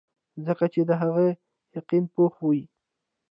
ځکه چې د هغه يقين پوخ وي -